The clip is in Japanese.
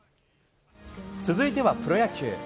続いてはプロ野球。